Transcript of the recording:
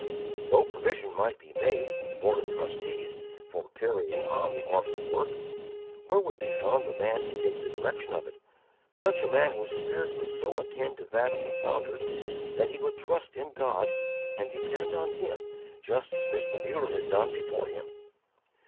_ Though provision might be made, in a board of trustees, for carrying on the orphan work, where would be found the man to take the direction of it, a man whose spirit was so akin to that of the founder that he would trust in God and depend on Him just as Mr. Muller had done before him?